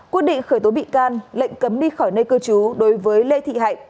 quyết định khởi tố bị can lệnh cấm đi khỏi nơi cư trú đối với lê thị hạnh